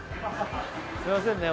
すいませんね